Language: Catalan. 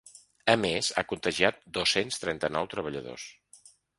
A més, ha contagiat dos-cents trenta-nou treballadors.